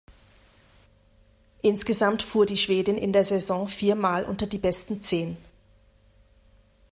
Insgesamt fuhr die Schwedin in der Saison viermal unter die besten zehn.